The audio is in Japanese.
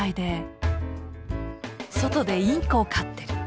外でインコを飼ってる。